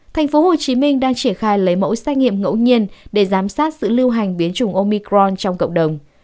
tp hcm đang triển khai lấy mẫu xét nghiệm ngẫu nhiên để giám sát sự lưu hành biến chủng omicron trong cộng đồng